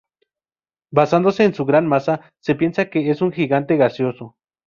Basándose en su gran masa se piensa que es un gigante gaseoso.